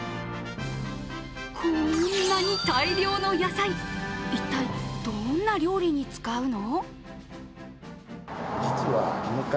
こんなに大量の野菜、一体、どんな料理に使うの？